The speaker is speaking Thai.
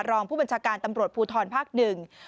รองผู้บัญชาการตำรวจภูทรภาคหนึ่ง